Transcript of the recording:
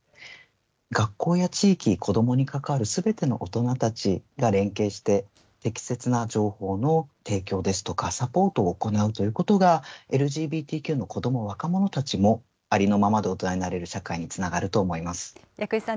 学校や地域、子どもに関わるすべての大人たちが連携して、適切な情報の提供ですとか、サポートを行うということが、ＬＧＢＴＱの子ども、若者たちもありのままで大人になれる社会につながると思薬師さん